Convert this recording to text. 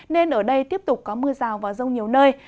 nên ở đây tiếp tục có mưa rào và rông nhiều nơi